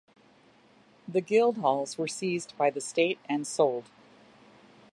The guildhalls were seized by the state and sold.